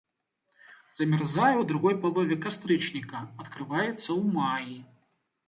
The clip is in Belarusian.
Замярзае ў другой палове кастрычніка, адкрываецца ў маі.